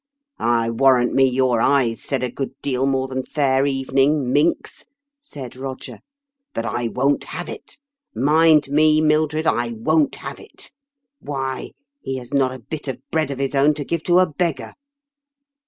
" I warrant me your eyes said a good deal more than 'fair evening,' minx," said Eoger. " But I won't have it ! Mind me, Mildred, I won't have it I Why, he has not a bit of bread of his own to give to a beggar."